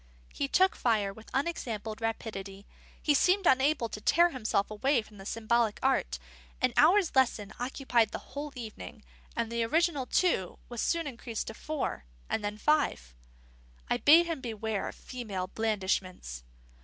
He took fire with unexampled rapidity; he seemed unable to tear himself away from the symbolic art; an hour's lesson occupied the whole evening; and the original two was soon increased to four, and then to five. I bade him beware of female blandishments.